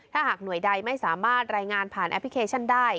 ถ้าหากหน่วยใดไม่สามารถรายงานผ่านแอปพลิเคชันได้